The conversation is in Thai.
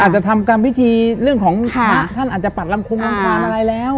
อาจจะทำกับวิธีเรื่องของพระท่านอาจจะปรับรำคงว้างความอะไรแล้ว